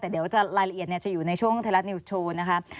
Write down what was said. แต่เดี๋ยวรายละเอียดจะอยู่ในช่วงไทยรัฐนิวส์โชว์นะคะ